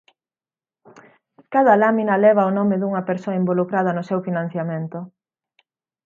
Cada lámina leva o nome dunha persoa involucrada no seu financiamento.